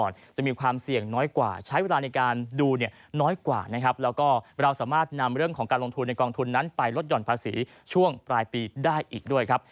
เรื่องของการลงทุนในกองทุนนั้นไปลดหย่อนภาษีช่วงปลายปีได้อีกด้วยครับ